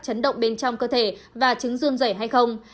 chấn động bên trong cơ thể và trứng rương rẩy hay không